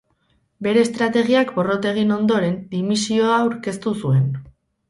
Bere estrategiak porrot egin ondoren, dimisioa aurkeztu zuen.